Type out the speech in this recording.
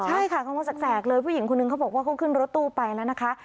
ใช่ค่ะกลางวันแสกเลยผู้หญิงคนนึงเขาบอกว่าเขาขึ้นรถตู้ไปแล้วนะคะ